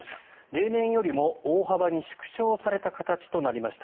例年よりも大幅に縮小された形となりました。